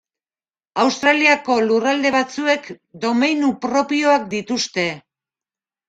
Australiako lurralde batzuek domeinu propioak dituzte.